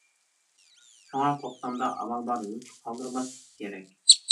شۇڭا، توختامدا ئامال بار يوچۇق قالدۇرماسلىق كېرەك.